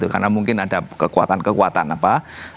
karena mungkin ada kekuatan kekuatan apa